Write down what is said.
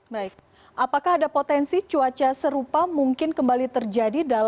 baik apakah ada potensi cuaca serupa mungkin kembali terjadi